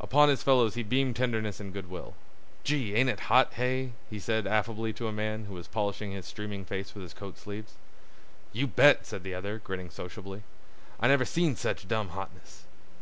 Upon his fellows he beamed tenderness and good will. "Gee! ain't it hot, hey?" he said affably to a man who was polishing his streaming face with his coat sleeves. "You bet!" said the other, grinning sociably. "I never seen sech dumb hotness."